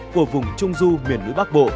của vùng trung du miền nước bắc bộ